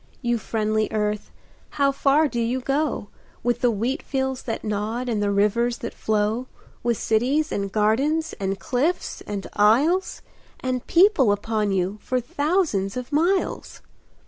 You friendly Earth, how far do you go, With the wheat fields that nod and the rivers that flow, With cities and gardens, and cliffs and isles, And people upon you for thousands of miles?